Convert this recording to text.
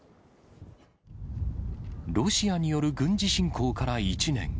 ロシアによる軍事侵攻から１年。